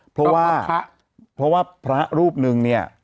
เพราะว่าเพราะว่าพระรูปนึงเนี่ย